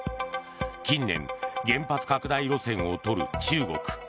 近年、原発拡大路線をとる中国。